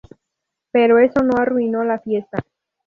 Pero eso no arruinó la fiesta.